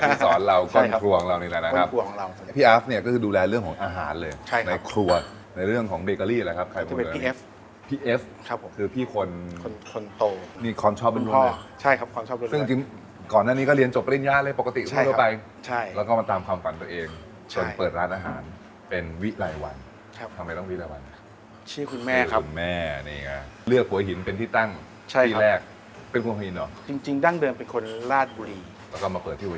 ที่สอนเราก้อนครัวของเรานี่แหละนะครับคุณแม่นี่แหละครับก้อนครัวของเรานี่แหละนะครับคุณแม่นี่แหละนะครับคุณแม่นี่แหละนะครับคุณแม่นี่แหละนะครับคุณแม่นี่แหละนะครับคุณแม่นี่แหละนะครับคุณแม่นี่แหละนะครับคุณแม่นี่แหละนะครับคุณแม่นี่แหละนะครับคุณแม่นี่แหละนะครับคุณแม่นี่แห